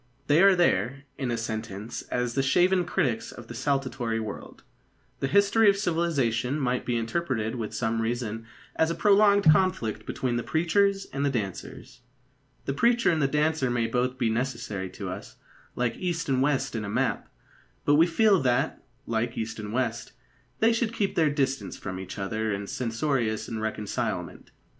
They are there, in a sentence, as the shaven critics of a saltatory world. The history of civilisation might be interpreted with some reason as a prolonged conflict between the preachers and the dancers. The preacher and the dancer may both be necessary to us, like east and west in a map; but we feel that, like east and west, they should keep their distance from each other in censorious irreconcilement.